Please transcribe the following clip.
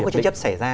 cái chế chấp xảy ra